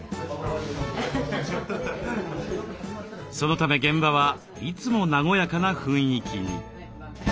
そのため現場はいつも和やかな雰囲気に。